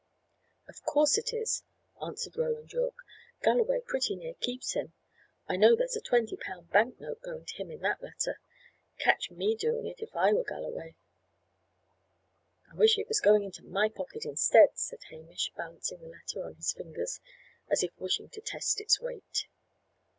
"Of course it is," answered Roland Yorke. "Galloway pretty near keeps him: I know there's a twenty pound bank note going to him in that letter. Catch me doing it if I were Galloway." "I wish it was going into my pocket instead," said Hamish, balancing the letter on his fingers, as if wishing to test its weight.